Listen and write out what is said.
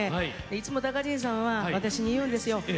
いつも、たかじんさんは私に言うんですよ。